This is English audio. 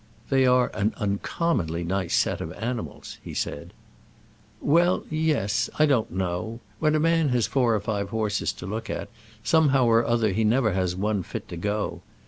"They are an uncommonly nice set of animals," said he. "Well, yes; I don't know. When a man has four or five horses to look at, somehow or other he never has one fit to go.